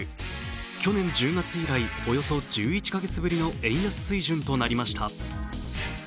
去年１０月以来およそ１１か月ぶりの円安水準となりました。